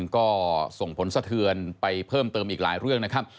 ก็ส่งผลสะเทือนไปเพิ่มเติมอีกหลายเรื่องนะครับ